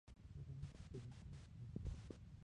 Se usan los pedúnculos de los frutos.